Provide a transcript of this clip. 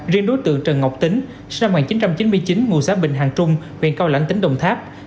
riêng đối tượng trần ngọc tính sinh năm một nghìn chín trăm chín mươi chín ngụ xã bình hàng trung huyện cao lãnh tỉnh đồng tháp